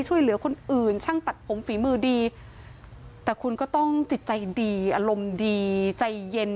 ช่วยเหลือคนอื่นช่างตัดผมฝีมือดีแต่คุณก็ต้องจิตใจดีอารมณ์ดีใจเย็น